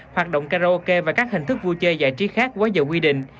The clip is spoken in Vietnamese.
hoạt động karaoke và các hình thức vui chơi giải trí khác quá giờ quy định